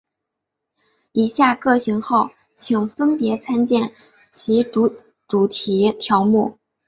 以下各型号请分别参见其主题条目。